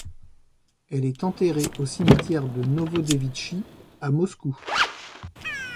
Elle est enterrée au cimetière de Novodevitchi à Moscou.